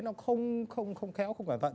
nó không khéo không có vận